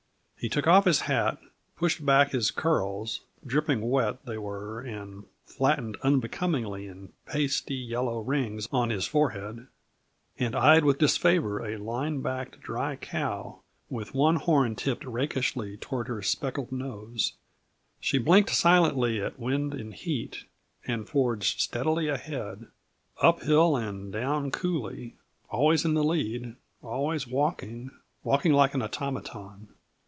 He took off his hat, pushed back his curls dripping wet they were and flattened unbecomingly in pasty, yellow rings on his forehead and eyed with disfavor a line backed, dry cow, with one horn tipped rakishly toward her speckled nose; she blinked silently at wind and heat, and forged steadily ahead, up hill and down coulee, always in the lead, always walking, walking, like an automaton.